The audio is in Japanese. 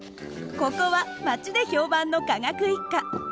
ここは町で評判の科学一家物理家。